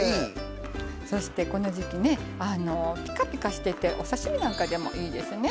そして、この時季ピカピカしててお刺身なんかでもいいですね。